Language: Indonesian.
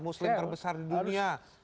muslim terbesar di dunia